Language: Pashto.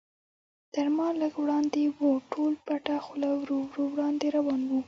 تر ما لږ وړاندې و، ټول پټه خوله ورو ورو وړاندې روان و.